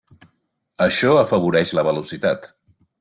Això afavoreix la velocitat.